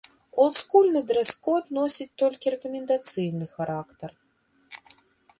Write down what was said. Олдскульны дрэс-код носіць толькі рэкамендацыйны характар.